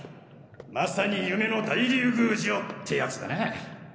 まさに夢の大竜宮城ってやつだな。